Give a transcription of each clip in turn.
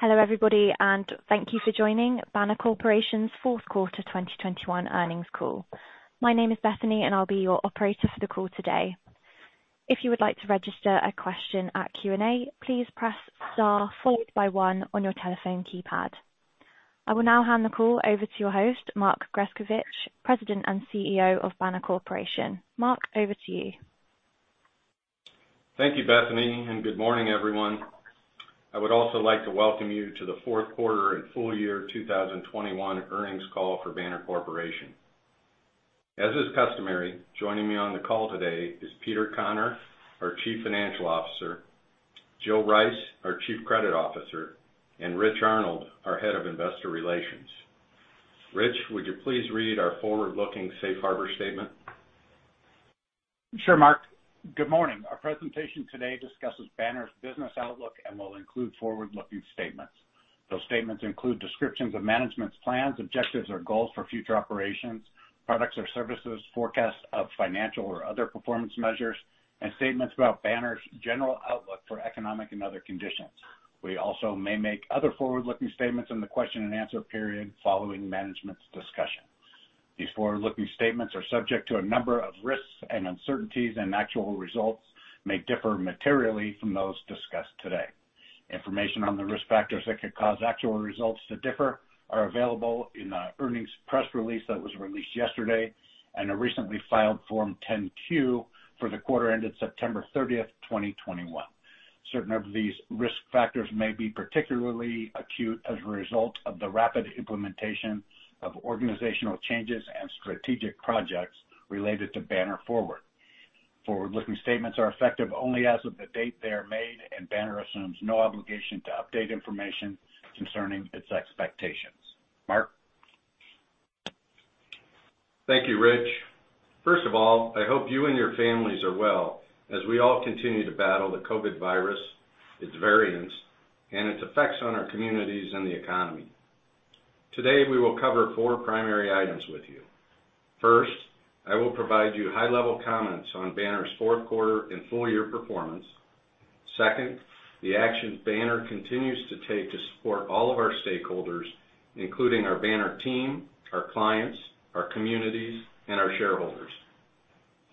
Hello, everybody, and thank you for joining Banner Corporation's fourth quarter 2021 earnings call. My name is Bethany, and I'll be your operator for the call today. If you would like to register a question at Q&A, please press star followed by one on your telephone keypad. I will now hand the call over to your host, Mark Grescovich, President and CEO of Banner Corporation. Mark, over to you. Thank you, Bethany, and good morning, everyone. I would also like to welcome you to the fourth quarter and full year 2021 earnings call for Banner Corporation. As is customary, joining me on the call today is Peter Conner, our Chief Financial Officer, Jill Rice, our Chief Credit Officer, and Rich Arnold, our Head of Investor Relations. Rich, would you please read our forward-looking safe harbor statement? Sure, Mark. Good morning. Our presentation today discusses Banner's business outlook and will include forward-looking statements. Those statements include descriptions of management's plans, objectives, or goals for future operations, products or services, forecasts of financial or other performance measures, and statements about Banner's general outlook for economic and other conditions. We also may make other forward-looking statements in the question-and-answer period following management's discussion. These forward-looking statements are subject to a number of risks and uncertainties, and actual results may differ materially from those discussed today. Information on the risk factors that could cause actual results to differ are available in the earnings press release that was released yesterday and a recently filed Form 10-Q for the quarter ended September 30, 2021. Certain of these risk factors may be particularly acute as a result of the rapid implementation of organizational changes and strategic projects related to Banner Forward. Forward-looking statements are effective only as of the date they are made, and Banner assumes no obligation to update information concerning its expectations. Mark. Thank you, Rich. First of all, I hope you and your families are well as we all continue to battle the COVID virus, its variants, and its effects on our communities and the economy. Today, we will cover four primary items with you. First, I will provide you high-level comments on Banner's fourth quarter and full year performance. Second, the actions Banner continues to take to support all of our stakeholders, including our Banner team, our clients, our communities, and our shareholders.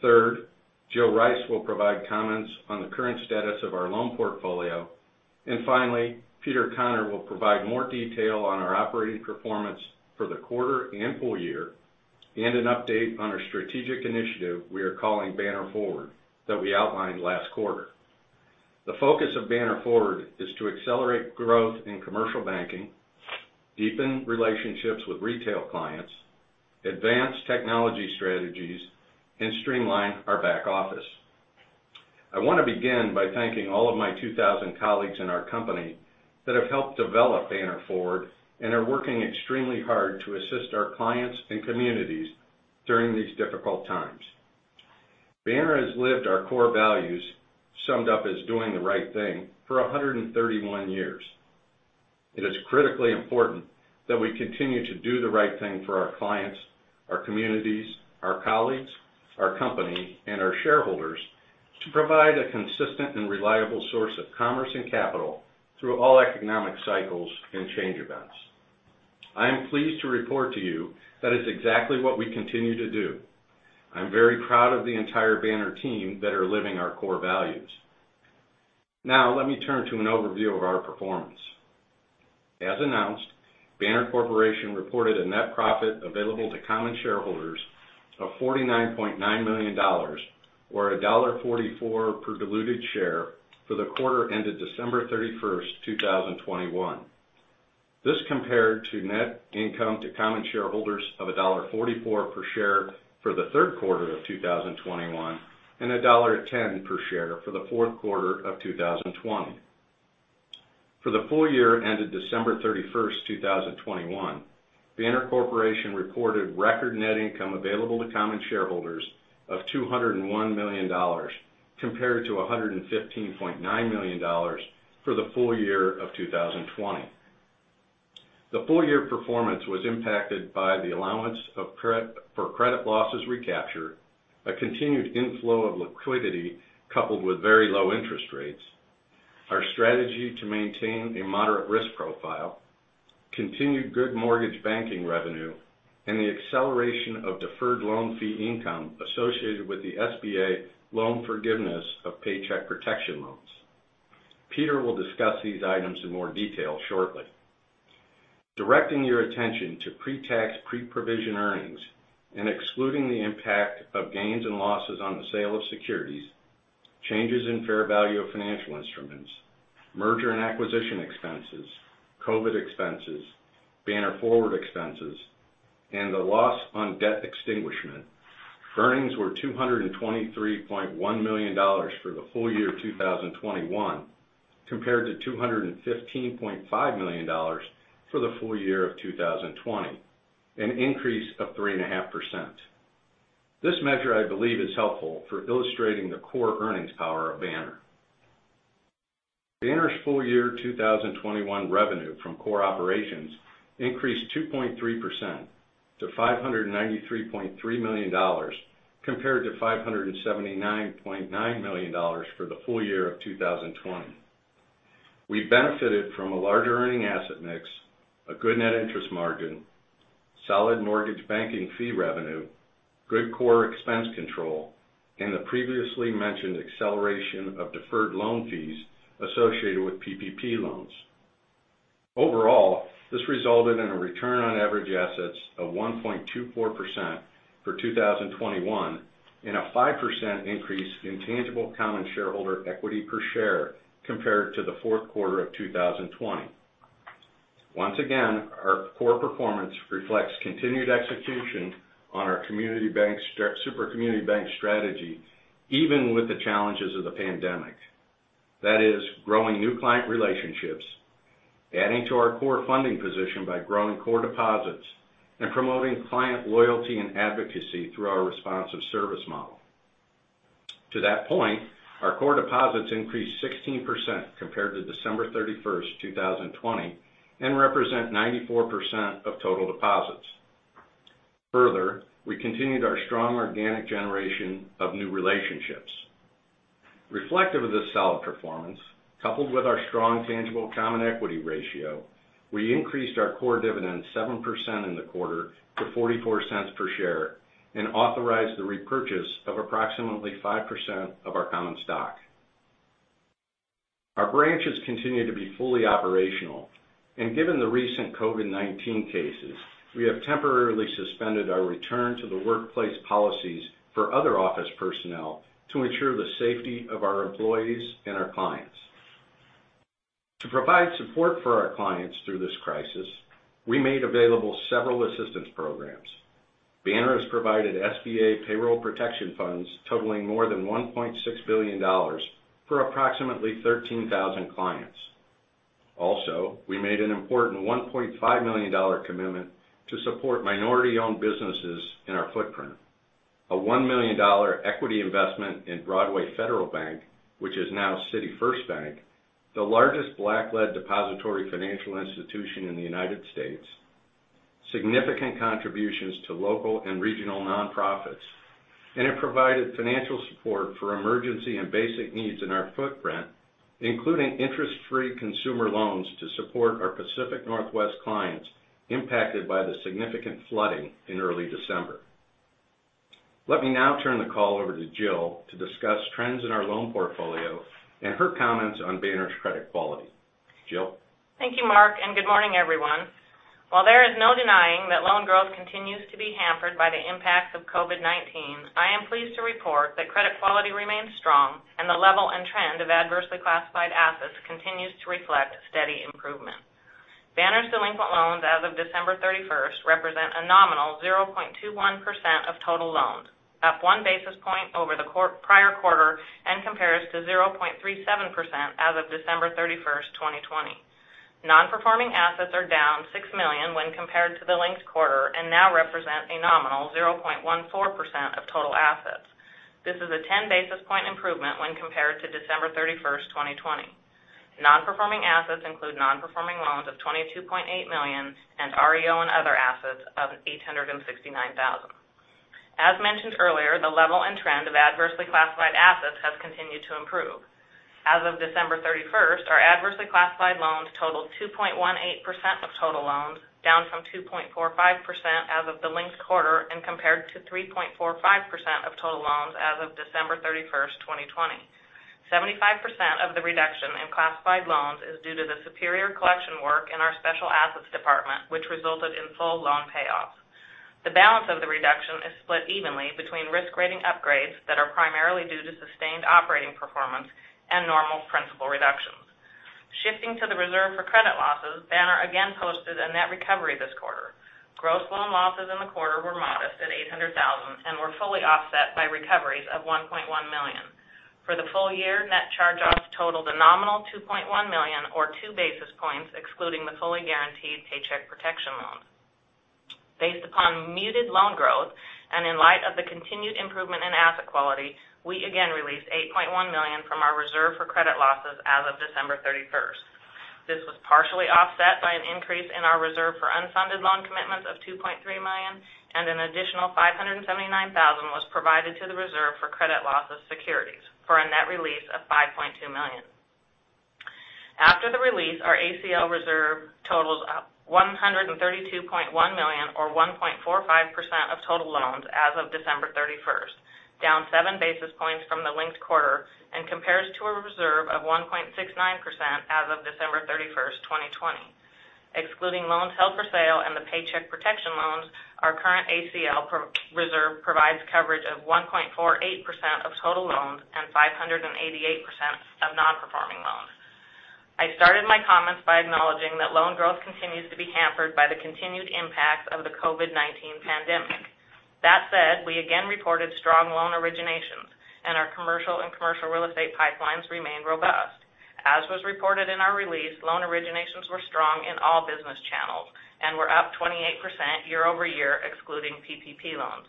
Third, Jill Rice will provide comments on the current status of our loan portfolio. Finally, Peter Conner will provide more detail on our operating performance for the quarter and full year and an update on our strategic initiative we are calling Banner Forward that we outlined last quarter. The focus of Banner Forward is to accelerate growth in commercial banking, deepen relationships with retail clients, advance technology strategies, and streamline our back office. I want to begin by thanking all of my 2,000 colleagues in our company that have helped develop Banner Forward and are working extremely hard to assist our clients and communities during these difficult times. Banner has lived our core values, summed up as doing the right thing, for 131 years. It is critically important that we continue to do the right thing for our clients, our communities, our colleagues, our company, and our shareholders to provide a consistent and reliable source of commerce and capital through all economic cycles and change events. I am pleased to report to you that is exactly what we continue to do. I'm very proud of the entire Banner team that are living our core values. Now, let me turn to an overview of our performance. As announced, Banner Corporation reported a net profit available to common shareholders of $49.9 million or $1.44 per diluted share for the quarter ended December 31, 2021. This compared to net income to common shareholders of $1.44 per share for the third quarter of 2021 and $1.10 per share for the fourth quarter of 2020. For the full year ended December 31, 2021, Banner Corporation reported record net income available to common shareholders of $201 million compared to $115.9 million for the full year of 2020. The full year performance was impacted by the allowance for credit losses recaptured, a continued inflow of liquidity coupled with very low interest rates, our strategy to maintain a moderate risk profile, continued good mortgage banking revenue, and the acceleration of deferred loan fee income associated with the SBA loan forgiveness of Paycheck Protection loans. Peter will discuss these items in more detail shortly. Directing your attention to pre-tax, pre-provision earnings and excluding the impact of gains and losses on the sale of securities, changes in fair value of financial instruments, merger and acquisition expenses, COVID expenses, Banner Forward expenses, and the loss on debt extinguishment, earnings were $223.1 million for the full year 2021 compared to $215.5 million for the full year of 2020, an increase of 3.5%. This measure, I believe, is helpful for illustrating the core earnings power of Banner. Banner's full year 2021 revenue from core operations increased 2.3% to $593.3 million compared to $579.9 million for the full year of 2020. We benefited from a larger earning asset mix, a good net interest margin, solid mortgage banking fee revenue, good core expense control, and the previously mentioned acceleration of deferred loan fees associated with PPP loans. Overall, this resulted in a return on average assets of 1.24% for 2021 and a 5% increase in tangible common shareholder equity per share compared to the fourth quarter of 2020. Once again, our core performance reflects continued execution on our community bank super community bank strategy, even with the challenges of the pandemic. That is growing new client relationships, adding to our core funding position by growing core deposits, and promoting client loyalty and advocacy through our responsive service model. To that point, our core deposits increased 16% compared to December 31, 2020, and represent 94% of total deposits. Further, we continued our strong organic generation of new relationships. Reflective of this solid performance, coupled with our strong tangible common equity ratio, we increased our core dividend 7% in the quarter to $0.44 per share and authorized the repurchase of approximately 5% of our common stock. Our branches continue to be fully operational, and given the recent COVID-19 cases, we have temporarily suspended our return to the workplace policies for other office personnel to ensure the safety of our employees and our clients. To provide support for our clients through this crisis, we made available several assistance programs. Banner has provided SBA Paycheck Protection funds totaling more than $1.6 billion for approximately 13,000 clients. We made an important $1.5 million commitment to support minority-owned businesses in our footprint. A $1 million equity investment in Broadway Federal Bank, which is now City First Bank, the largest Black-led depository institution in the United States, significant contributions to local and regional nonprofits, and it provided financial support for emergency and basic needs in our footprint, including interest-free consumer loans to support our Pacific Northwest clients impacted by the significant flooding in early December. Let me now turn the call over to Jill to discuss trends in our loan portfolio and her comments on Banner's credit quality. Jill? Thank you, Mark, and good morning, everyone. While there is no denying that loan growth continues to be hampered by the impacts of COVID-19, I am pleased to report that credit quality remains strong and the level and trend of adversely classified assets continues to reflect steady improvement. Banner's delinquent loans as of December 31 represent a nominal 0.21% of total loans, up 1 basis point over the prior quarter and compares to 0.37% as of December 31, 2020. Non-performing assets are down $6 million when compared to the linked quarter and now represent a nominal 0.14% of total assets. This is a 10 basis point improvement when compared to December 31, 2020. Non-performing assets include non-performing loans of $22.8 million and REO and other assets of $869,000. As mentioned earlier, the level and trend of adversely classified assets has continued to improve. As of December 31, our adversely classified loans totaled 2.18% of total loans, down from 2.45% as of the linked quarter and compared to 3.45% of total loans as of December 31, 2020. 75% of the reduction in classified loans is due to the superior collection work in our special assets department, which resulted in full loan payoffs. The balance of the reduction is split evenly between risk rating upgrades that are primarily due to sustained operating performance and normal principal reductions. Shifting to the reserve for credit losses, Banner again posted a net recovery this quarter. Gross loan losses in the quarter were modest at $800,000 and were fully offset by recoveries of $1.1 million. For the full year, net charge-offs totaled a nominal $2.1 million or 2 basis points, excluding the fully guaranteed Paycheck Protection loans. Based upon muted loan growth and in light of the continued improvement in asset quality, we again released $8.1 million from our reserve for credit losses as of December 31. This was partially offset by an increase in our reserve for unfunded loan commitments of $2.3 million, and an additional $579,000 was provided to the reserve for credit losses securities for a net release of $5.2 million. After the release, our ACL reserve totals $132.1 million or 1.45% of total loans as of December 31, down 7 basis points from the linked quarter and compares to a reserve of 1.69% as of December 31, 2020. Excluding loans held for sale and the Paycheck Protection loans, our current ACL reserve provides coverage of 1.48% of total loans and 588% of non-performing loans. I started my comments by acknowledging that loan growth continues to be hampered by the continued impact of the COVID-19 pandemic. That said, we again reported strong loan originations and our commercial and commercial real estate pipelines remain robust. As was reported in our release, loan originations were strong in all business channels and were up 28% year-over-year, excluding PPP loans.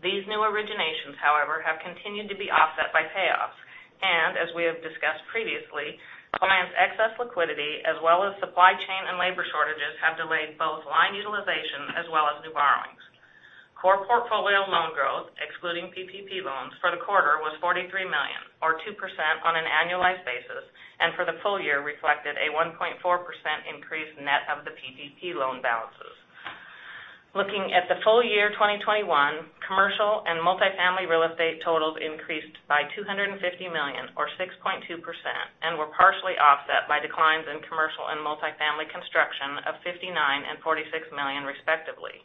These new originations, however, have continued to be offset by payoffs. As we have discussed previously, clients' excess liquidity as well as supply chain and labor shortages have delayed both line utilization as well as new borrowings. Core portfolio loan growth, excluding PPP loans, for the quarter was $43 million, or 2% on an annualized basis, and for the full year reflected a 1.4% increase net of the PPP loan balances. Looking at the full year 2021, commercial and multifamily real estate totals increased by $250 million or 6.2%, and were partially offset by declines in commercial and multifamily construction of $59 million and $46 million, respectively.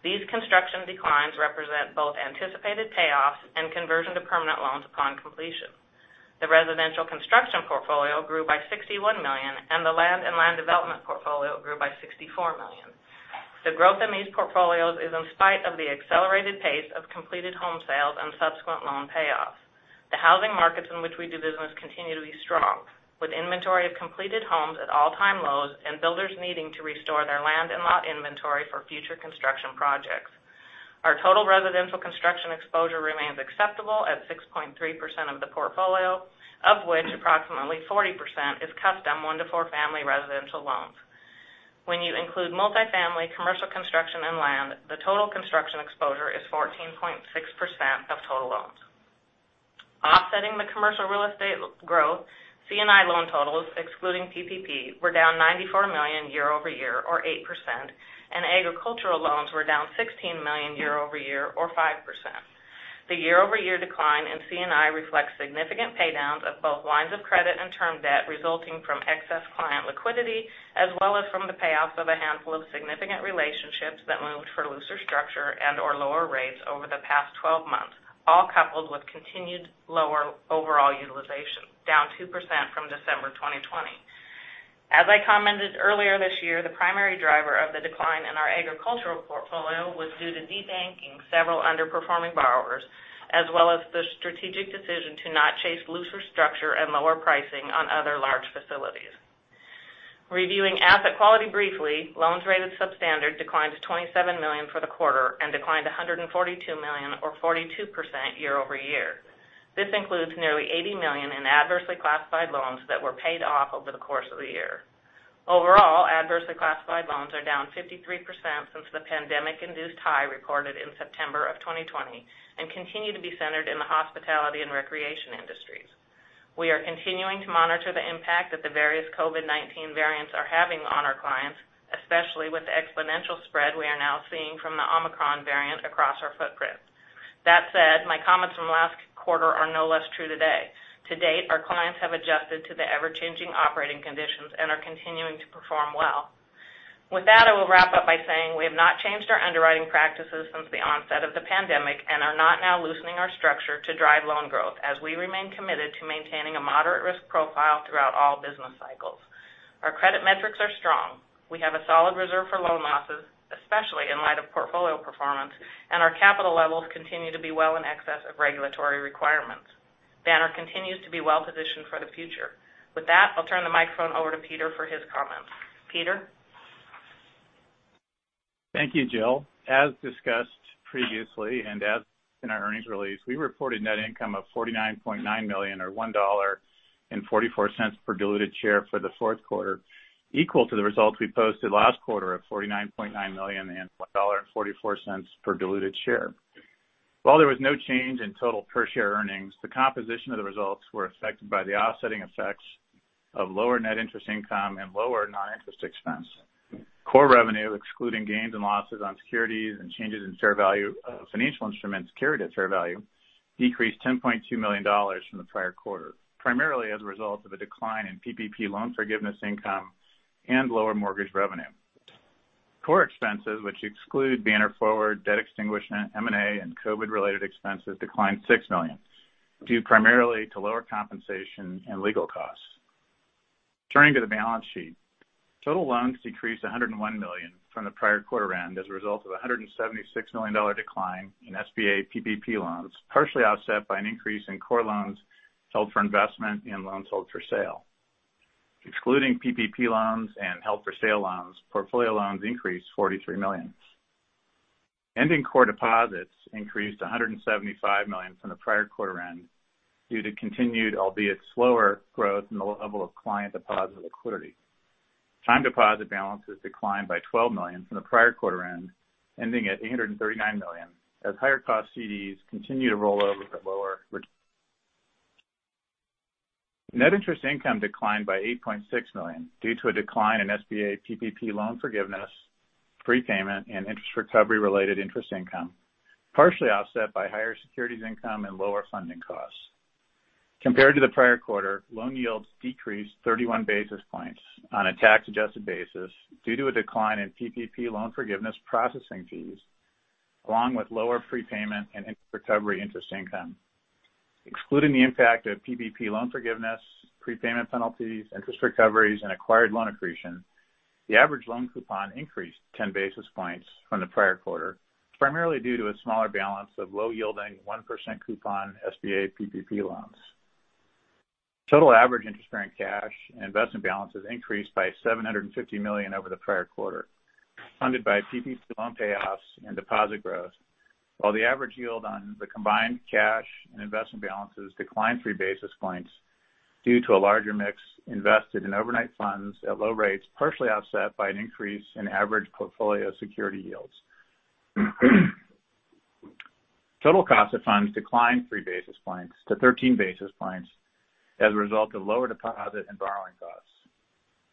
These construction declines represent both anticipated payoffs and conversion to permanent loans upon completion. The residential construction portfolio grew by $61 million, and the land and land development portfolio grew by $64 million. The growth in these portfolios is in spite of the accelerated pace of completed home sales and subsequent loan payoffs. The housing markets in which we do business continue to be strong, with inventory of completed homes at all-time lows and builders needing to restore their land and lot inventory for future construction projects. Our total residential construction exposure remains acceptable at 6.3% of the portfolio, of which approximately 40% is custom 1-4 family residential loans. When you include multifamily commercial construction and land, the total construction exposure is 14.6% of total loans. Offsetting the commercial real estate growth, C&I loan totals, excluding PPP, were down $94 million year-over-year or 8%, and agricultural loans were down $16 million year-over-year or 5%. The year-over-year decline in C&I reflects significant pay downs of both lines of credit and term debt resulting from excess client liquidity, as well as from the payoffs of a handful of significant relationships that moved for looser structure and/or lower rates over the past 12 months, all coupled with continued lower overall utilization, down 2% from December 2020. As I commented earlier this year, the primary driver of the decline in our agricultural portfolio was due to debanking several underperforming borrowers, as well as the strategic decision to not chase looser structure and lower pricing on other large facilities. Reviewing asset quality briefly, loans rated substandard declined to $27 million for the quarter and declined to $142 million or 42% year-over-year. This includes nearly $80 million in adversely classified loans that were paid off over the course of the year. Overall, adversely classified loans are down 53% since the pandemic-induced high recorded in September 2020 and continue to be centered in the hospitality and recreation industries. We are continuing to monitor the impact that the various COVID-19 variants are having on our clients, especially with the exponential spread we are now seeing from the Omicron variant across our footprint. That said, my comments from last quarter are no less true today. To date, our clients have adjusted to the ever-changing operating conditions and are continuing to perform well. With that, I will wrap up by saying we have not changed our underwriting practices since the onset of the pandemic and are not now loosening our structure to drive loan growth as we remain committed to maintaining a moderate risk profile throughout all business cycles. Our credit metrics are strong. We have a solid reserve for loan losses, especially in light of portfolio performance, and our capital levels continue to be well in excess of regulatory requirements. Banner continues to be well positioned for the future. With that, I'll turn the microphone over to Peter for his comments. Peter? Thank you, Jill. As discussed previously and as in our earnings release, we reported net income of $49.9 million or $1.44 per diluted share for the fourth quarter, equal to the results we posted last quarter of $49.9 million and $1.44 per diluted share. While there was no change in total per share earnings, the composition of the results were affected by the offsetting effects of lower net interest income and lower non-interest expense. Core revenue, excluding gains and losses on securities and changes in fair value of financial instruments carried at fair value, decreased $10.2 million from the prior quarter, primarily as a result of a decline in PPP loan forgiveness income and lower mortgage revenue. Core expenses, which exclude Banner Forward debt extinguishment, M&A, and COVID-related expenses, declined $6 million, due primarily to lower compensation and legal costs. Turning to the balance sheet. Total loans decreased $101 million from the prior quarter end as a result of a $176 million decline in SBA PPP loans, partially offset by an increase in core loans held for investment and loans held for sale. Excluding PPP loans and held for sale loans, portfolio loans increased $43 million. Ending core deposits increased $175 million from the prior quarter end due to continued, albeit slower, growth in the level of client deposit liquidity. Time deposit balances declined by $12 million from the prior quarter end, ending at $839 million as higher cost CDs continue to roll over to lower rates. Net interest income declined by $8.6 million due to a decline in SBA PPP loan forgiveness, prepayment, and interest recovery related interest income, partially offset by higher securities income and lower funding costs. Compared to the prior quarter, loan yields decreased 31 basis points on a tax-adjusted basis due to a decline in PPP loan forgiveness processing fees, along with lower prepayment and interest recovery interest income. Excluding the impact of PPP loan forgiveness, prepayment penalties, interest recoveries, and acquired loan accretion, the average loan coupon increased 10 basis points from the prior quarter, primarily due to a smaller balance of low-yielding 1% coupon SBA PPP loans. Total average interest-bearing cash and investment balances increased by $750 million over the prior quarter, funded by PPP loan payoffs and deposit growth. While the average yield on the combined cash and investment balances declined 3 basis points due to a larger mix invested in overnight funds at low rates, partially offset by an increase in average portfolio security yields. Total cost of funds declined 3 basis points to 13 basis points as a result of lower deposit and borrowing costs.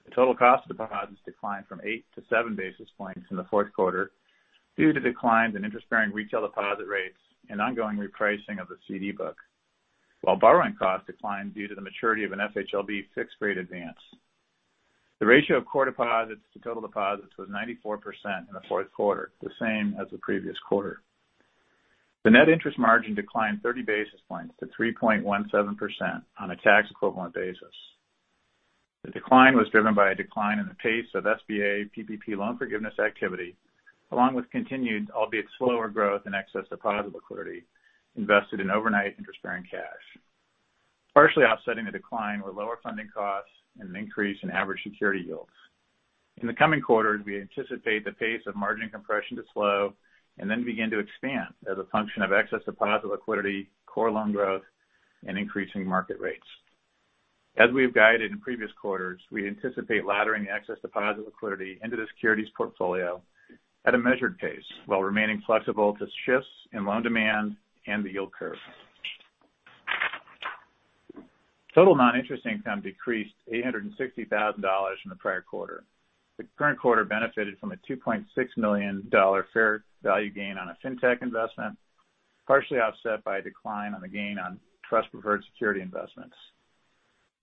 The total cost of deposits declined from 8 to 7 basis points in the fourth quarter due to declines in interest bearing retail deposit rates and ongoing repricing of the CD book, while borrowing costs declined due to the maturity of an FHLB fixed rate advance. The ratio of core deposits to total deposits was 94% in the fourth quarter, the same as the previous quarter. The net interest margin declined 30 basis points to 3.17% on a tax equivalent basis. The decline was driven by a decline in the pace of SBA PPP loan forgiveness activity, along with continued, albeit slower growth in excess deposit liquidity invested in overnight interest bearing cash. Partially offsetting the decline were lower funding costs and an increase in average security yields. In the coming quarters, we anticipate the pace of margin compression to slow and then begin to expand as a function of excess deposit liquidity, core loan growth and increasing market rates. We have guided in previous quarters, we anticipate laddering excess deposit liquidity into the securities portfolio at a measured pace while remaining flexible to shifts in loan demand and the yield curve. Total non-interest income decreased $860,000 from the prior quarter. The current quarter benefited from a $2.6 million fair value gain on a fintech investment, partially offset by a decline on the gain on trust-preferred security investments.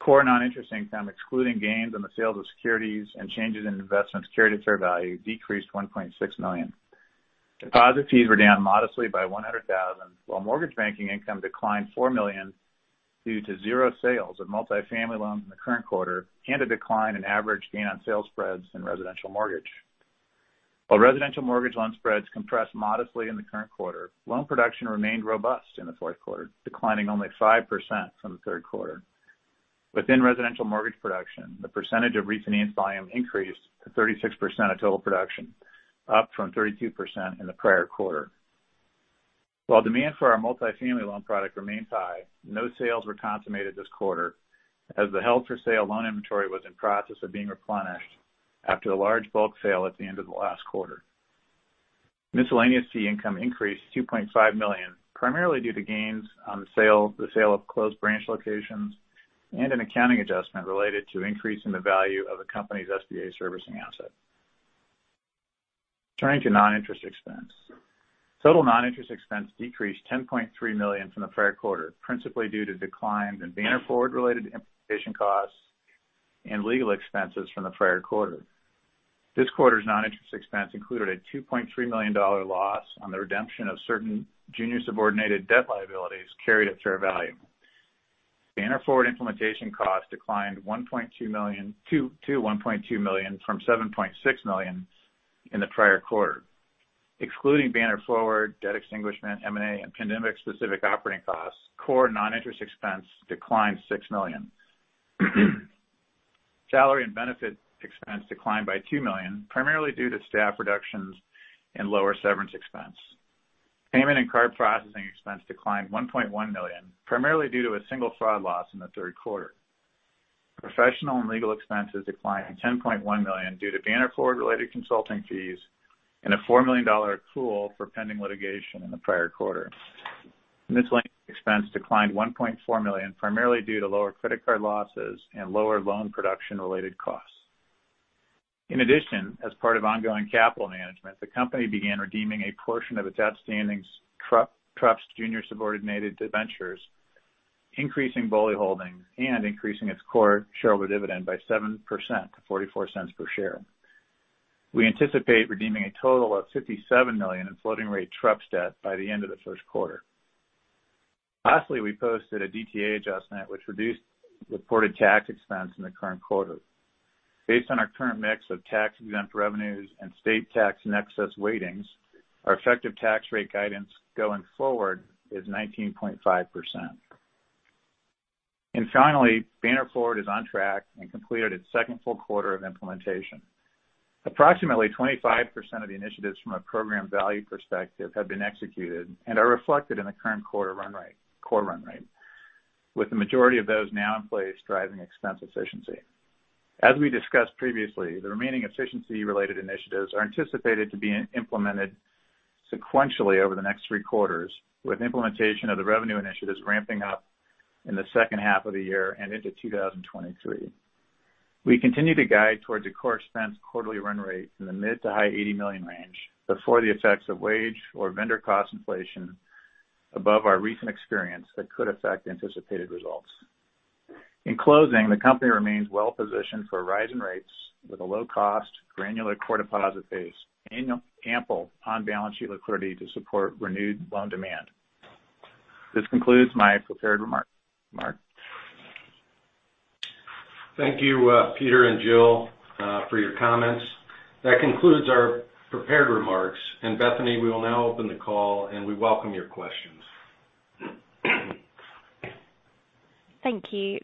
Core non-interest income, excluding gains on the sale of securities and changes in investment security fair value decreased $1.6 million. Deposit fees were down modestly by $100,000, while mortgage banking income declined $4 million due to zero sales of multifamily loans in the current quarter and a decline in average gain on sales spreads in residential mortgage. While residential mortgage loan spreads compressed modestly in the current quarter, loan production remained robust in the fourth quarter, declining only 5% from the third quarter. Within residential mortgage production, the percentage of refinance volume increased to 36% of total production, up from 32% in the prior quarter. While demand for our multifamily loan product remains high, no sales were consummated this quarter as the held for sale loan inventory was in process of being replenished after a large bulk sale at the end of last quarter. Miscellaneous fee income increased $2.5 million, primarily due to gains on the sale of closed branch locations and an accounting adjustment related to increase in the value of the company's SBA servicing asset. Turning to non-interest expense. Total non-interest expense decreased $10.3 million from the prior quarter, principally due to declines in Banner Forward related implementation costs and legal expenses from the prior quarter. This quarter's non-interest expense included a $2.3 million loss on the redemption of certain junior subordinated debt liabilities carried at fair value. Banner Forward implementation costs declined one point two million to one point two million from seven point six million in the prior quarter. Excluding Banner Forward, debt extinguishment, M&A and pandemic specific operating costs, core non-interest expense declined $6 million. Salary and benefit expense declined by $2 million, primarily due to staff reductions and lower severance expense. Payment and card processing expense declined $1.1 million, primarily due to a single fraud loss in the third quarter. Professional and legal expenses declined $10.1 million due to Banner Forward related consulting fees and a $4 million accrual for pending litigation in the prior quarter. Miscellaneous expense declined $1.4 million, primarily due to lower credit card losses and lower loan production related costs. In addition, as part of ongoing capital management, the company began redeeming a portion of its outstanding TruPS junior subordinated debentures, increasing BOLI holdings and increasing its core shareholder dividend by 7% to $0.44 per share. We anticipate redeeming a total of $57 million in floating rate TruPS debt by the end of the first quarter. Lastly, we posted a DTA adjustment which reduced reported tax expense in the current quarter. Based on our current mix of tax-exempt revenues and state tax in excess weightings, our effective tax rate guidance going forward is 19.5%. Finally, Banner Forward is on track and completed its second full quarter of implementation. Approximately 25% of the initiatives from a program value perspective have been executed and are reflected in the current quarter run rate, core run rate, with the majority of those now in place driving expense efficiency. As we discussed previously, the remaining efficiency-related initiatives are anticipated to be implemented sequentially over the next three quarters, with implementation of the revenue initiatives ramping up in the second half of the year and into 2023. We continue to guide towards a core expense quarterly run rate in the mid- to high $80 million range before the effects of wage or vendor cost inflation above our recent experience that could affect anticipated results. In closing, the company remains well positioned for rising rates with a low cost, granular core deposit base and ample on-balance sheet liquidity to support renewed loan demand. This concludes my prepared remarks. Thank you, Peter and Jill, for your comments. That concludes our prepared remarks. Bethany, we will now open the call, and we welcome your questions. The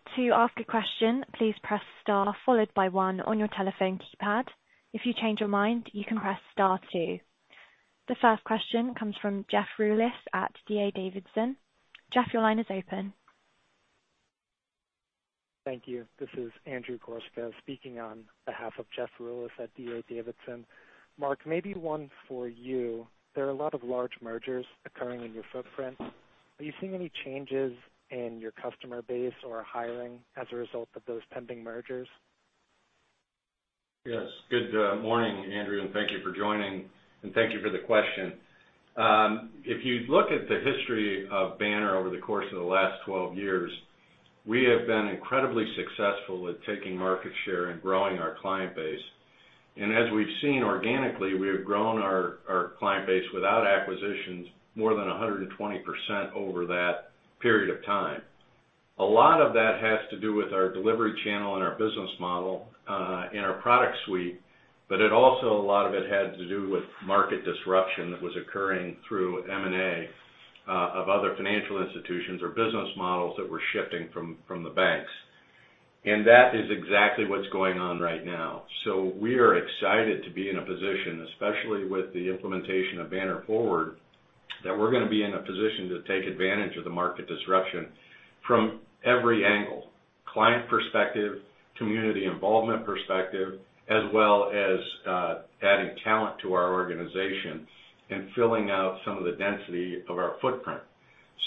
first question comes from Jeff Rulis at D.A. Davidson. Jeff, your line is open. Thank you. This is Andrew Goresko speaking on behalf of Jeff Rulis at D.A. Davidson. Mark, maybe one for you. There are a lot of large mergers occurring in your footprint. Are you seeing any changes in your customer base or hiring as a result of those pending mergers? Yes. Good morning, Andrew, and thank you for joining, and thank you for the question. If you look at the history of Banner over the course of the last 12 years, we have been incredibly successful with taking market share and growing our client base. As we've seen organically, we have grown our client base without acquisitions more than 120% over that period of time. A lot of that has to do with our delivery channel and our business model, and our product suite, but it also a lot of it had to do with market disruption that was occurring through M&A of other financial institutions or business models that were shifting from the banks. That is exactly what's going on right now. We are excited to be in a position, especially with the implementation of Banner Forward, that we're gonna be in a position to take advantage of the market disruption from every angle, client perspective, community involvement perspective, as well as adding talent to our organization and filling out some of the density of our footprint.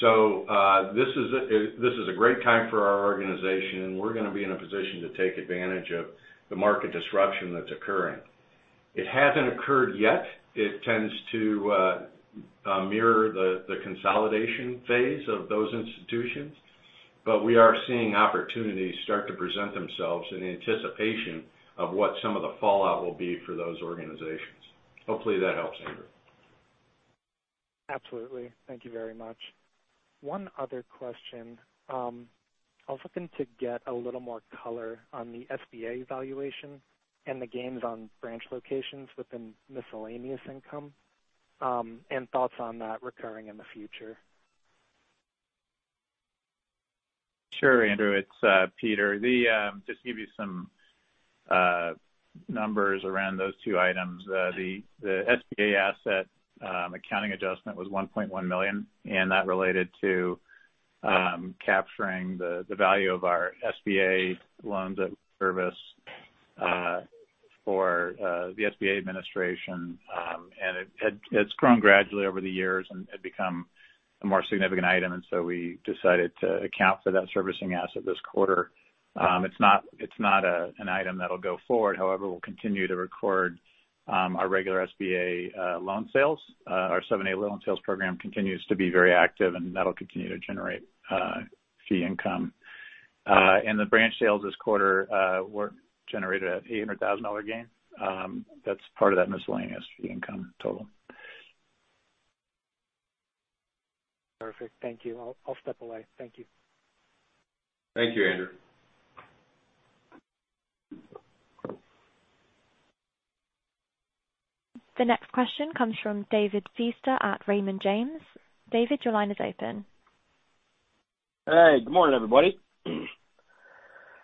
This is a great time for our organization, and we're gonna be in a position to take advantage of the market disruption that's occurring. It hasn't occurred yet. It tends to mirror the consolidation phase of those institutions. We are seeing opportunities start to present themselves in anticipation of what some of the fallout will be for those organizations. Hopefully, that helps, Andrew. Absolutely. Thank you very much. One other question. I was looking to get a little more color on the SBA valuation and the gains on branch locations within miscellaneous income, and thoughts on that recurring in the future. Sure, Andrew, it's Peter. Just to give you some numbers around those two items. The SBA asset accounting adjustment was $1.1 million, and that related to capturing the value of our SBA loans at service for the SBA administration. It's grown gradually over the years and had become a more significant item, and so we decided to account for that servicing asset this quarter. It's not an item that'll go forward. However, we'll continue to record our regular SBA loan sales. Our 7(a) loan sales program continues to be very active, and that'll continue to generate fee income. The branch sales this quarter were generated at $800,000 gain. That's part of that miscellaneous fee income total. Perfect. Thank you. I'll step away. Thank you. Thank you, Andrew. The next question comes from David Feaster at Raymond James. David, your line is open. Hey, good morning, everybody.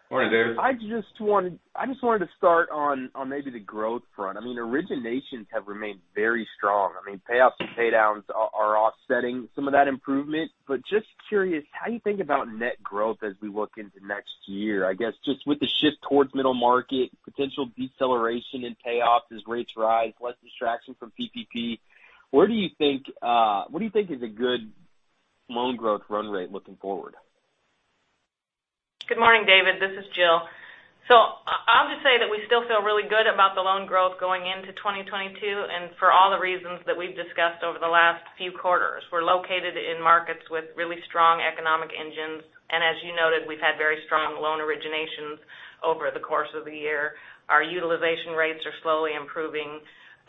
Morning, David. I just wanted to start on maybe the growth front. I mean, originations have remained very strong. I mean, payoffs and pay downs are offsetting some of that improvement. Just curious, how you think about net growth as we look into next year. I guess just with the shift towards middle market, potential deceleration in payoffs as rates rise, less distraction from PPP, what do you think is a good loan growth run rate looking forward? Good morning, David. This is Jill. I'll just say that we still feel really good about the loan growth going into 2022 and for all the reasons that we've discussed over the last few quarters. We're located in markets with really strong economic engines, and as you noted, we've had very strong loan originations over the course of the year. Our utilization rates are slowly improving.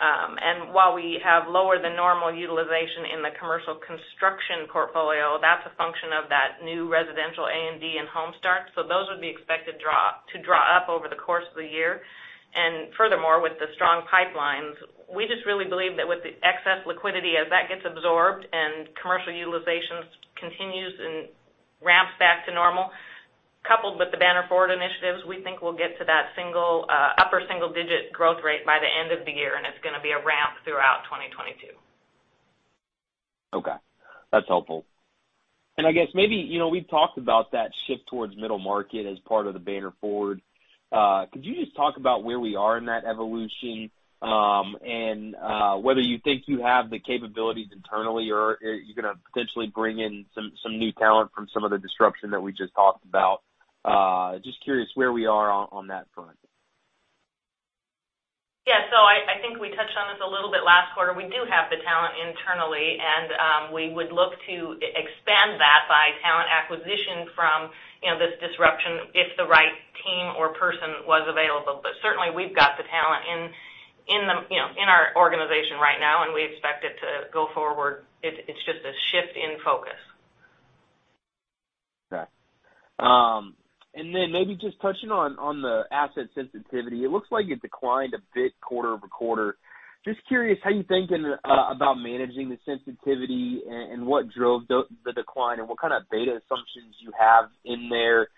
And while we have lower than normal utilization in the commercial construction portfolio, that's a function of that new residential A&D and home starts. Those would be expected to pick up over the course of the year. Furthermore, with the strong pipelines, we just really believe that with the excess liquidity, as that gets absorbed and commercial utilizations continues and ramps back to normal, coupled with the Banner Forward initiatives, we think we'll get to that upper single-digit growth rate by the end of the year, and it's gonna be a ramp throughout 2022. Okay. That's helpful. I guess maybe, you know, we've talked about that shift towards middle market as part of the Banner Forward. Could you just talk about where we are in that evolution, and whether you think you have the capabilities internally or you're gonna potentially bring in some new talent from some of the disruption that we just talked about. Just curious where we are on that front. Yeah. I think we touched on this a little bit last quarter. We do have the talent internally, and we would look to expand that by talent acquisition from, you know, this disruption if the right team or person was available. But certainly we've got the talent in the, you know, in our organization right now, and we expect it to go forward. It's just a shift in focus. Maybe just touching on the asset sensitivity. It looks like it declined a bit quarter-over-quarter. Just curious how you're thinking about managing the sensitivity and what drove the decline and what kind of beta assumptions you have in there.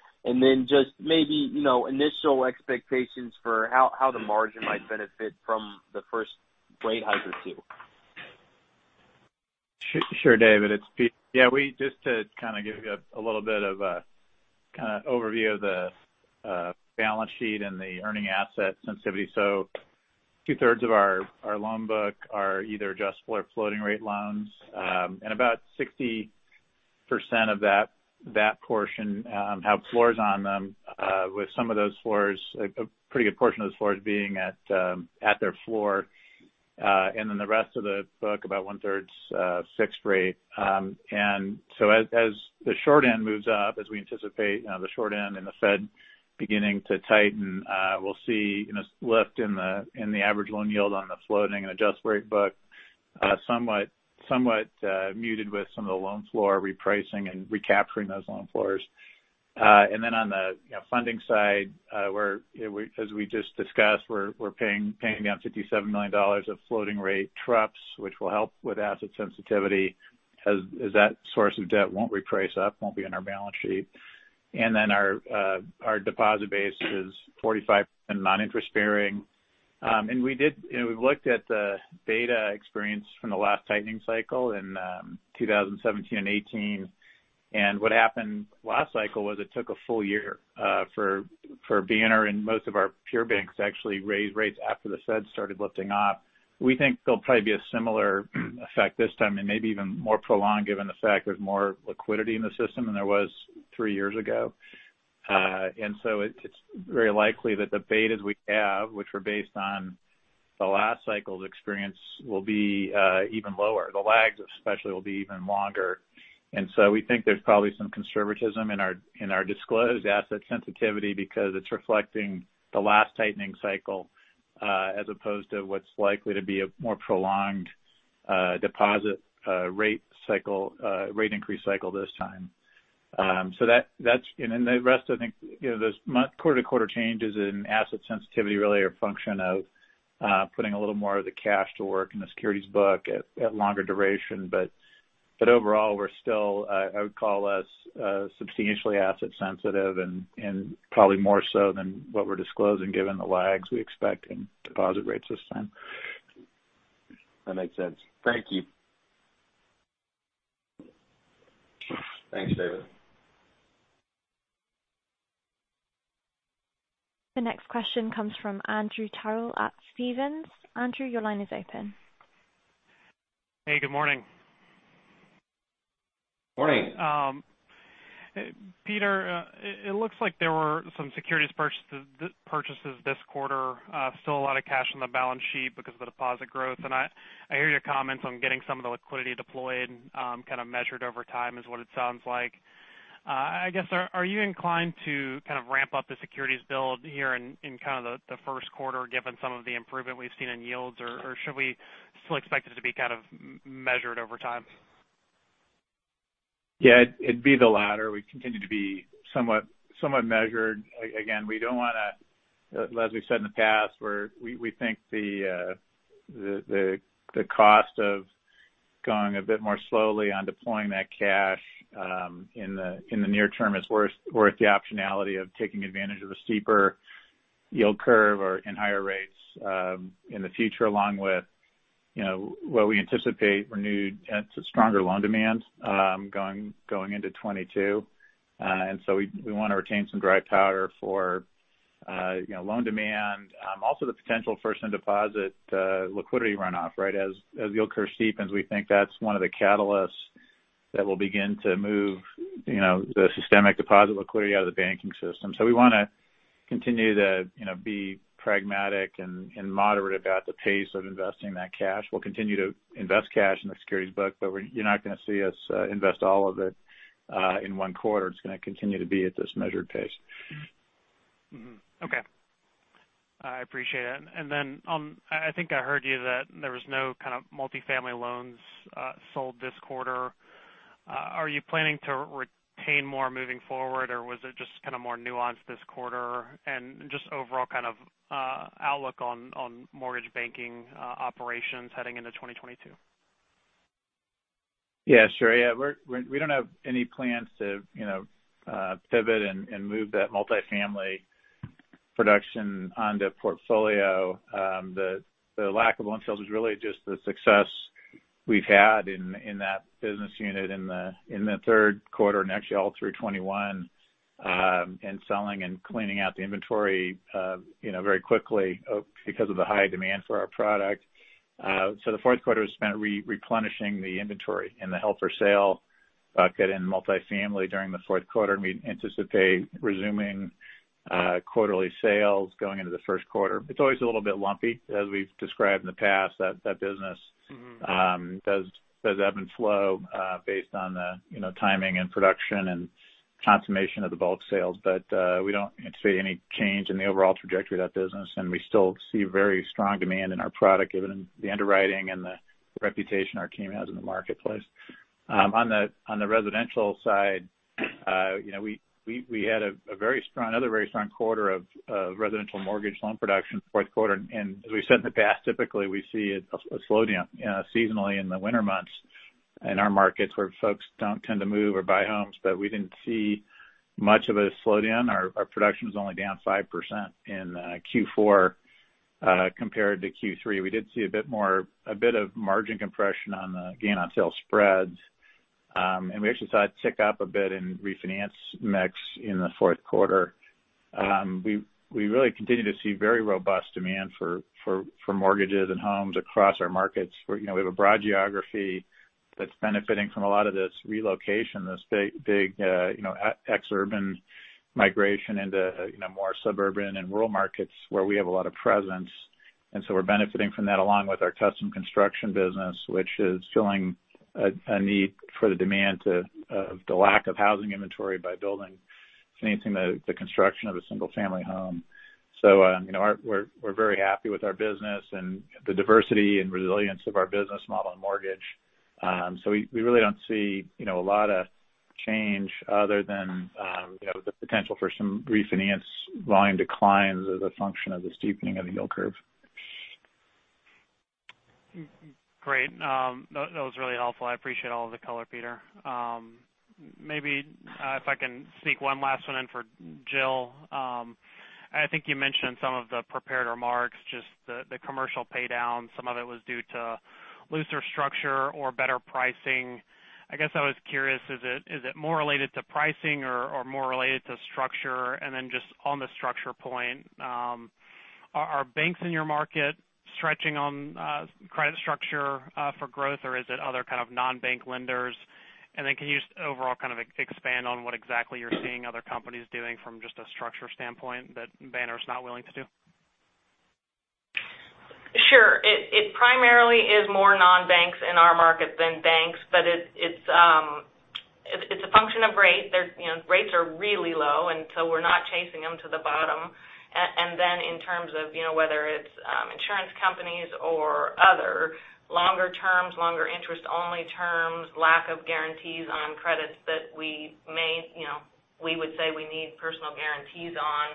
Just maybe, you know, initial expectations for how the margin might benefit from the first rate hike or two. Sure, David, it's Peter. Yeah, we just want to kind of give you a little bit of a kind of overview of the balance sheet and the earning asset sensitivity. Two-thirds of our loan book are either adjustable or floating rate loans. About 60% of that portion have floors on them, with some of those floors, a pretty good portion of those floors being at their floor. Then the rest of the book, about one-third, is fixed rate. As the short end moves up, as we anticipate, you know, the short end and the Fed beginning to tighten, we'll see, you know, lift in the average loan yield on the floating and adjustable-rate book, somewhat muted with some of the loan floor repricing and recapturing those loan floors. On the funding side, you know, as we just discussed we're paying down $57 million of floating rate TruPS, which will help with asset sensitivity as that source of debt won't reprice up, won't be on our balance sheet. Our deposit base is 45% non-interest bearing. We did, you know, we've looked at the data experience from the last tightening cycle in 2017 and 2018. What happened last cycle was it took a full year for BANR and most of our peer banks to actually raise rates after the Fed started lifting off. We think there'll probably be a similar effect this time and maybe even more prolonged given the fact there's more liquidity in the system than there was three years ago. It's very likely that the betas we have, which were based on the last cycle's experience will be even lower. The lags especially will be even longer. We think there's probably some conservatism in our disclosed asset sensitivity because it's reflecting the last tightening cycle as opposed to what's likely to be a more prolonged deposit rate cycle, rate increase cycle this time. The rest, I think, you know, those quarter-over-quarter changes in asset sensitivity really are a function of putting a little more of the cash to work in the securities book at longer duration. Overall, we're still, I would call us, substantially asset sensitive and probably more so than what we're disclosing, given the lags we expect in deposit rates this time. That makes sense. Thank you. Thanks, David. The next question comes from Andrew Terrell at Stephens. Andrew, your line is open. Hey, good morning. Morning. Peter, it looks like there were some securities purchases this quarter. Still a lot of cash on the balance sheet because of the deposit growth. I hear your comments on getting some of the liquidity deployed, kind of measured over time is what it sounds like. I guess, are you inclined to kind of ramp up the securities build here in the first quarter given some of the improvement we've seen in yields or should we still expect it to be kind of measured over time? Yeah. It'd be the latter. We continue to be somewhat measured. We don't wanna, as we said in the past where we think the cost of going a bit more slowly on deploying that cash in the near term is worth the optionality of taking advantage of the steeper yield curve or and higher rates in the future along with, you know, what we anticipate renewed and stronger loan demand going into 2022. We wanna retain some dry powder for, you know, loan demand. Also the potential for some deposit liquidity runoff, right? As yield curve steepens we think that's one of the catalysts that will begin to move, you know, the systemic deposit liquidity out of the banking system. We wanna continue to, you know, be pragmatic and moderate about the pace of investing that cash. We'll continue to invest cash in the securities book, but you're not gonna see us invest all of it in one quarter. It's gonna continue to be at this measured pace. Mm-hmm. Okay. I appreciate it. I think I heard you that there was no kind of multifamily loans sold this quarter. Are you planning to retain more moving forward or was it just kind of more nuanced this quarter and just overall kind of outlook on mortgage banking operations heading into 2022? Yeah, sure. Yeah, we don't have any plans to, you know, pivot and move that multifamily production onto portfolio. The lack of loan sales was really just the success we've had in that business unit in the third quarter and actually all through 2021, in selling and cleaning out the inventory, you know, very quickly, because of the high demand for our product. So the fourth quarter was spent replenishing the inventory in the held for sale bucket in multifamily during the fourth quarter. We anticipate resuming quarterly sales going into the first quarter. It's always a little bit lumpy, as we've described in the past. That business- Mm-hmm. It does ebb and flow based on the, you know, timing and production and consummation of the bulk sales. But we don't anticipate any change in the overall trajectory of that business, and we still see very strong demand in our product, given the underwriting and the reputation our team has in the marketplace. On the residential side, you know, we had another very strong quarter of residential mortgage loan production fourth quarter. As we said in the past, typically we see a slowdown seasonally in the winter months in our markets where folks don't tend to move or buy homes. But we didn't see much of a slowdown. Our production was only down 5% in Q4 compared to Q3. We did see a bit more a bit of margin compression on the gain on sale spreads. We actually saw it tick up a bit in refinance mix in the fourth quarter. We really continue to see very robust demand for mortgages and homes across our markets, where you know we have a broad geography that's benefiting from a lot of this relocation, this big ex-urban migration into you know more suburban and rural markets where we have a lot of presence. We're benefiting from that along with our custom construction business, which is filling a need due to the lack of housing inventory by building, financing the construction of a single-family home. you know, we're very happy with our business and the diversity and resilience of our business model and mortgage. we really don't see, you know, a lot of change other than, you know, the potential for some refinance volume declines as a function of the steepening of the yield curve. Great. That was really helpful. I appreciate all of the color, Peter. Maybe if I can sneak one last one in for Jill. I think you mentioned some of the prepared remarks, just the commercial pay down. Some of it was due to looser structure or better pricing. I guess I was curious, is it more related to pricing or more related to structure? And then just on the structure point, are banks in your market stretching on credit structure for growth, or is it other kind of non-bank lenders? And then can you just overall kind of expand on what exactly you're seeing other companies doing from just a structure standpoint that Banner is not willing to do? Sure. It primarily is more non-banks in our market than banks, but it's a function of rate. There's, you know, rates are really low, and so we're not chasing them to the bottom. Then in terms of, you know, whether it's insurance companies or other longer terms, longer interest only terms, lack of guarantees on credits that we may, you know, we would say we need personal guarantees on.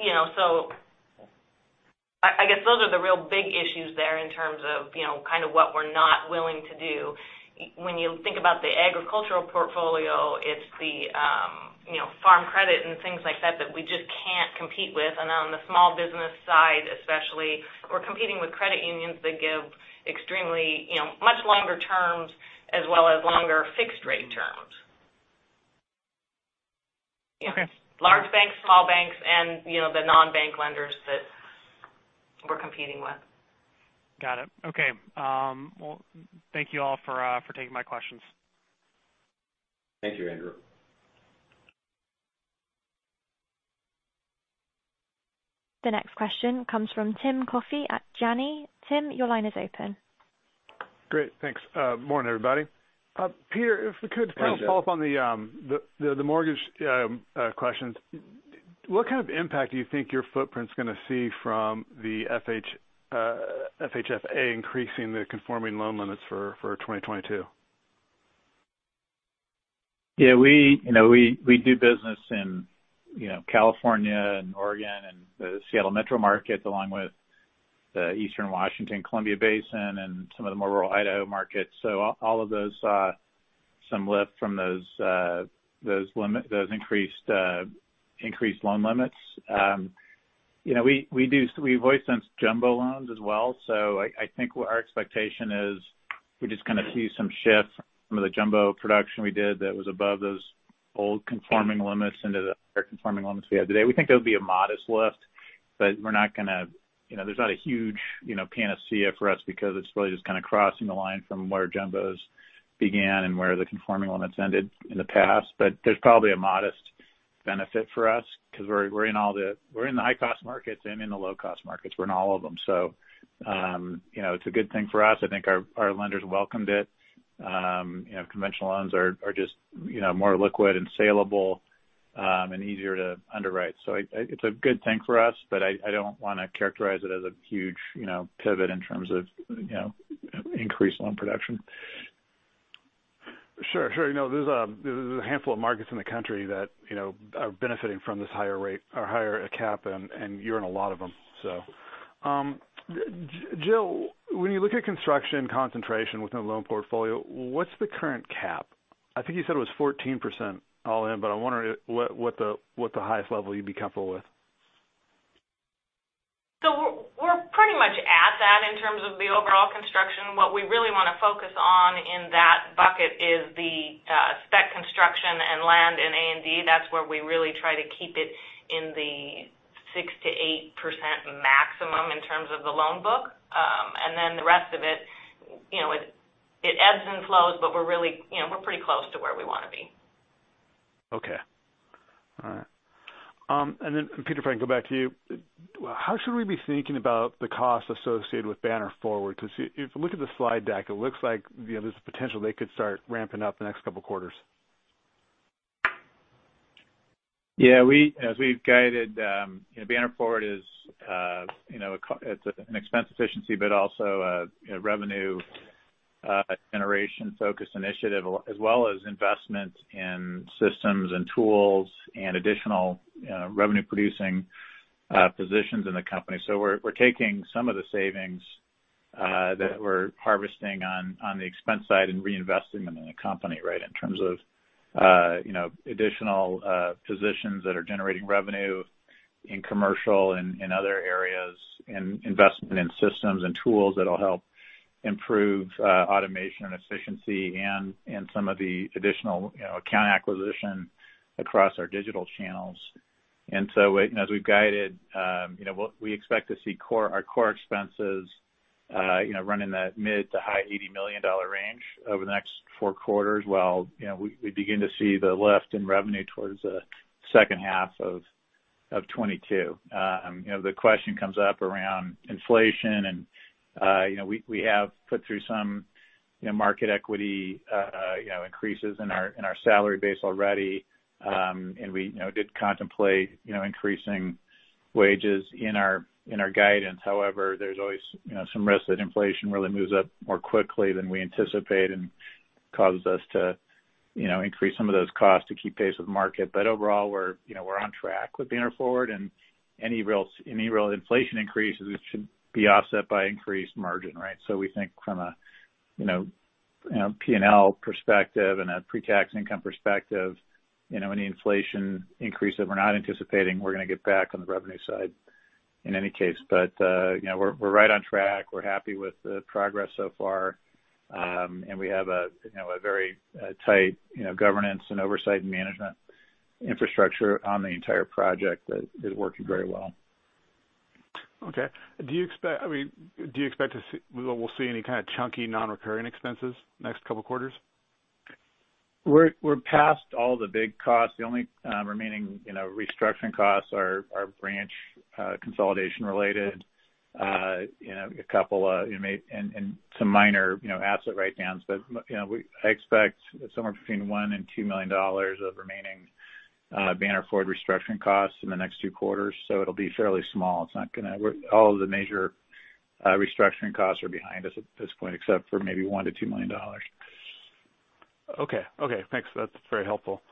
You know, I guess those are the real big issues there in terms of, you know, kind of what we're not willing to do. When you think about the agricultural portfolio, it's the, you know, farm credit and things like that that we just can't compete with. On the small business side especially, we're competing with credit unions that give extremely, you know, much longer terms as well as longer fixed rate terms. Okay. Large banks, small banks, and, you know, the non-bank lenders that we're competing with. Got it. Okay. Well, thank you all for taking my questions. Thank you, Andrew. The next question comes from Tim Coffey at Janney. Tim, your line is open. Great. Thanks. Morning, everybody. Peter, if we could- Hey, Tim. Kind of follow up on the mortgage questions. What kind of impact do you think your footprint's gonna see from the FHFA increasing the conforming loan limits for 2022? Yeah. We, you know, do business in, you know, California and Oregon and the Seattle metro markets, along with the Eastern Washington, Columbia Basin and some of the more rural Idaho markets. All of those will see some lift from those increased loan limits. You know, we've always done jumbo loans as well. I think what our expectation is we're just gonna see some shift from the jumbo production we did that was above those old conforming limits into the conforming limits we have today. We think that would be a modest lift, but we're not gonna, you know, there's not a huge, you know, panacea for us because it's really just kind of crossing the line from where jumbos began and where the conforming limits ended in the past. There's probably a modest benefit for us because we're in the high cost markets and in the low cost markets. We're in all of them. So, you know, it's a good thing for us. I think our lenders welcomed it. You know, conventional loans are just, you know, more liquid and salable, and easier to underwrite. So it's a good thing for us, but I don't wanna characterize it as a huge, you know, pivot in terms of, you know, increased loan production. Sure, sure. You know, there's a handful of markets in the country that, you know, are benefiting from this higher rate or higher cap, and you're in a lot of them, so. Jill, when you look at construction concentration within the loan portfolio, what's the current cap? I think you said it was 14% all in, but I'm wondering what the highest level you'd be comfortable with. We're pretty much at that in terms of the overall construction. What we really wanna focus on in that bucket is the spec construction and land in A and D. That's where we really try to keep it in the 6%-8% maximum in terms of the loan book. Then the rest of it, you know, it ebbs and flows, but we're really, you know, we're pretty close to where we wanna be. Peter, if I can go back to you, how should we be thinking about the costs associated with Banner Forward? Because if you look at the slide deck, it looks like, you know, there's potential they could start ramping up the next couple quarters. Yeah. As we've guided, you know, Banner Forward is, you know, it's an expense efficiency but also a, you know, revenue generation-focused initiative, as well as investments in systems and tools and additional, you know, revenue-producing positions in the company. We're taking some of the savings that we're harvesting on the expense side and reinvesting them in the company, right? In terms of, you know, additional positions that are generating revenue in commercial and in other areas, and investment in systems and tools that'll help improve automation and efficiency and some of the additional, you know, account acquisition across our digital channels. As we've guided, you know, we expect to see core, our core expenses, you know, run in that mid- to high-$80 million range over the next four quarters while, you know, we begin to see the lift in revenue towards the second half of 2022. You know, the question comes up around inflation and, you know, we have put through some, you know, market equity, you know, increases in our, in our salary base already. You know, we did contemplate, you know, increasing wages in our, in our guidance. However, there's always, you know, some risk that inflation really moves up more quickly than we anticipate and causes us to, you know, increase some of those costs to keep pace with market. Overall, we're, you know, we're on track with Banner Forward and any real inflation increases should be offset by increased margin, right? We think from a, you know, you know, P&L perspective and a pre-tax income perspective, you know, any inflation increase that we're not anticipating, we're gonna get back on the revenue side in any case. You know, we're right on track. We're happy with the progress so far. We have a, you know, a very tight, you know, governance and oversight management infrastructure on the entire project that is working very well. Okay. Do you expect, I mean, to see any kind of chunky non-recurring expenses next couple quarters? We're past all the big costs. The only remaining, you know, restructuring costs are branch consolidation related. You know, a couple and some minor, you know, asset write-downs. You know, I expect somewhere between $1 million and $2 million of remaining Banner Forward restructuring costs in the next 2 quarters. It'll be fairly small. All of the major restructuring costs are behind us at this point, except for maybe $1-$2 million. Okay. Okay, thanks. That's very helpful.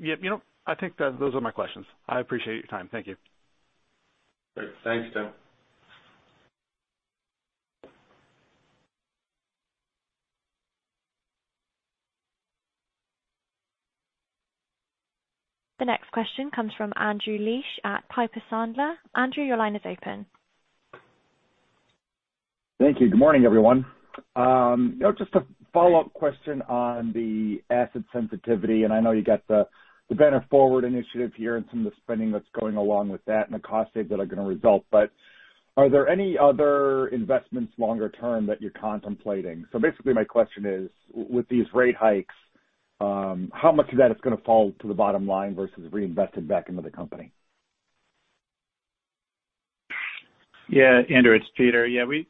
Yeah, you know, I think that those are my questions. I appreciate your time. Thank you. Great. Thanks, Tim. The next question comes from Andrew Liesch at Piper Sandler. Andrew, your line is open. Thank you. Good morning, everyone. You know, just a follow-up question on the asset sensitivity, and I know you got the Banner Forward initiative here and some of the spending that's going along with that and the cost savings that are gonna result. But are there any other investments longer term that you're contemplating? Basically, my question is, with these rate hikes, how much of that is gonna fall to the bottom line versus reinvested back into the company? Yeah, Andrew, it's Peter. Yeah, we,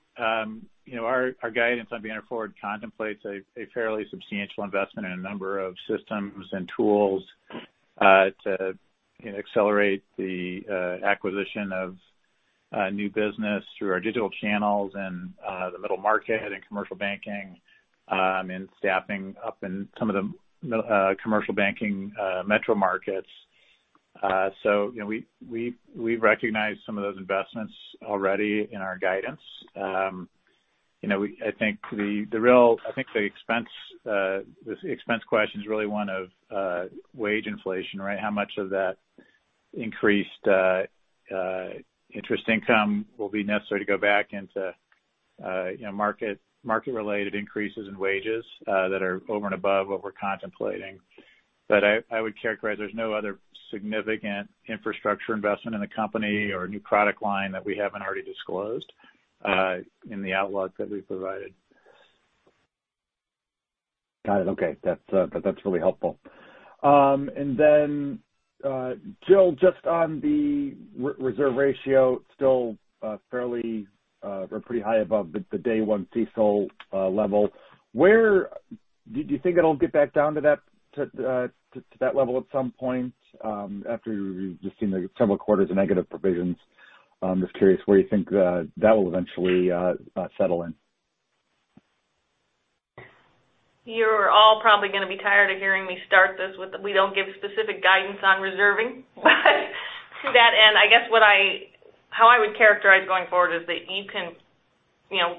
you know, our guidance on Banner Forward contemplates a fairly substantial investment in a number of systems and tools to, you know, accelerate the acquisition of new business through our digital channels and the middle market and commercial banking and staffing up in some of the commercial banking metro markets. You know, we've recognized some of those investments already in our guidance. You know, I think the real expense question is really one of wage inflation, right? How much of that increased interest income will be necessary to go back into, you know, market-related increases in wages that are over and above what we're contemplating. I would characterize there's no other significant infrastructure investment in the company or new product line that we haven't already disclosed in the outlook that we've provided. Got it. Okay. That's really helpful. Then, Jill, just on the reserve ratio, still fairly or pretty high above the day one CECL level. Where do you think it'll get back down to that level at some point after you've just seen several quarters of negative provisions? I'm just curious where you think that will eventually settle in. You're all probably gonna be tired of hearing me start this with the we don't give specific guidance on reserving. To that end, I guess how I would characterize going forward is that you can, you know,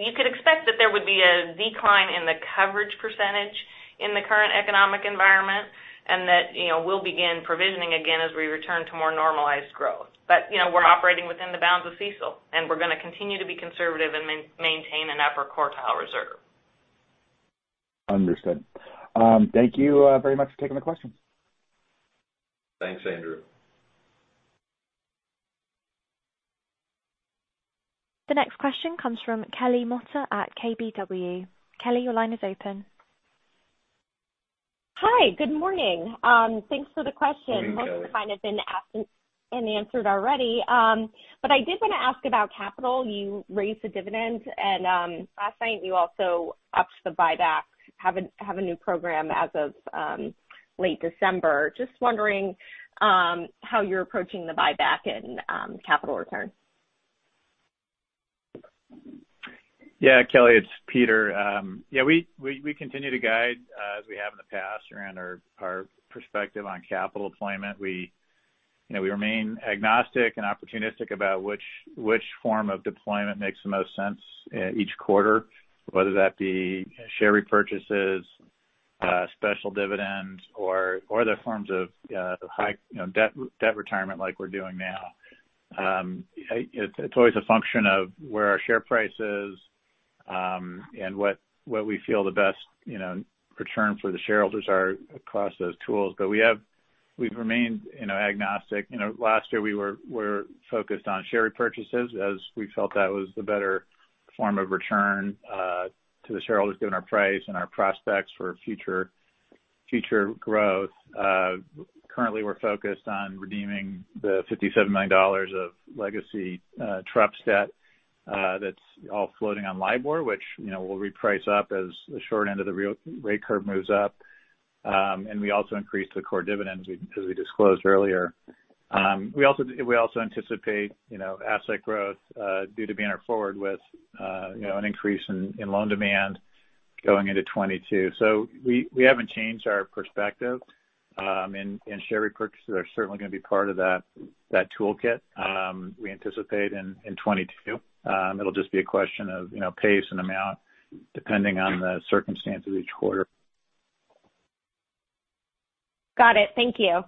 you could expect that there would be a decline in the coverage percentage in the current economic environment and that, you know, we'll begin provisioning again as we return to more normalized growth. You know, we're operating within the bounds of CECL, and we're gonna continue to be conservative and maintain an upper quartile reserve. Understood. Thank you very much for taking the questions. Thanks, Andrew. The next question comes from Kelly Motta at KBW. Kelly, your line is open. Hi, good morning. Thanks for the question. Good morning, Kelly. Most have kind of been asked and answered already. I did wanna ask about capital. You raised the dividend and last night you also upped the buyback, have a new program as of late December. Just wondering how you're approaching the buyback and capital return. Yeah, Kelly, it's Peter. Yeah, we continue to guide as we have in the past around our perspective on capital deployment. We, you know, we remain agnostic and opportunistic about which form of deployment makes the most sense each quarter, whether that be share repurchases, special dividends or other forms of high, you know, debt retirement like we're doing now. It's always a function of where our share price is and what we feel the best, you know, return for the shareholders are across those tools. We've remained, you know, agnostic. You know, last year we were focused on share repurchases as we felt that was the better form of return to the shareholders given our price and our prospects for future growth. Currently we're focused on redeeming the $57 million of legacy TruPS debt that's all floating on LIBOR, which, you know, will reprice up as the short end of the real rate curve moves up. We also increased the core dividends, as we disclosed earlier. We also anticipate, you know, asset growth due to being forward with, you know, an increase in loan demand going into 2022. We haven't changed our perspective, and share repurchases are certainly gonna be part of that toolkit we anticipate in 2022. It'll just be a question of, you know, pace and amount depending on the circumstances each quarter. Got it. Thank you.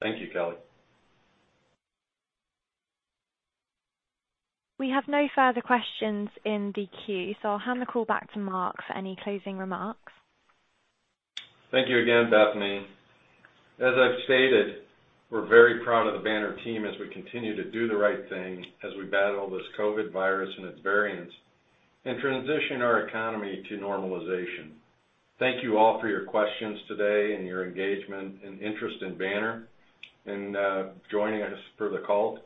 Thank you, Kelly. We have no further questions in the queue, so I'll hand the call back to Mark for any closing remarks. Thank you again, Bethany. As I've stated, we're very proud of the Banner team as we continue to do the right thing as we battle this COVID virus and its variants and transition our economy to normalization. Thank you all for your questions today and your engagement and interest in Banner and joining us for the call.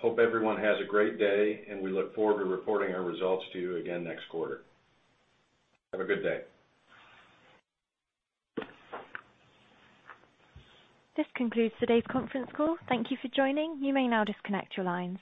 Hope everyone has a great day, and we look forward to reporting our results to you again next quarter. Have a good day. This concludes today's conference call. Thank you for joining. You may now disconnect your lines.